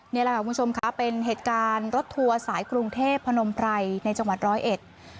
นี่แหละค่ะคุณผู้ชมค่ะเป็นเหตุการณ์รถทัวร์สายกรุงเทพพนมไพรในจังหวัดร้อยเอ็ด